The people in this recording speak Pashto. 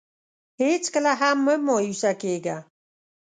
هېڅکله هم مه مایوسه کېږه.